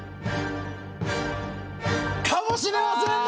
かもしれませんね！